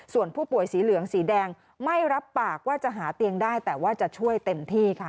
ส่วนผู้ป่วยสีเหลืองสีแดงไม่รับปากว่าจะหาเตียงได้แต่ว่าจะช่วยเต็มที่ค่ะ